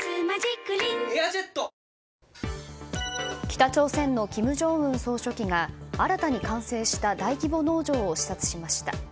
北朝鮮の金正恩総書記が新たに完成した大規模農場を視察しました。